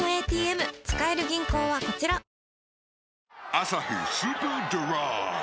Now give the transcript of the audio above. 「アサヒスーパードライ」